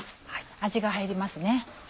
味が入りますね。